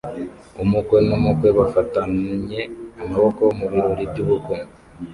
Umukwe n'umukwe bafatanye amaboko mu birori by'ubukwe